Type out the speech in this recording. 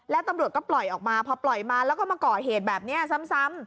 แล้วตำรวจก็ปล่อยออกมาพอปล่อยมาแล้วก็มาก่อเหตุแบบนี้ซ้ำ